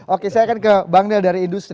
oke saya akan ke bang nel dari industri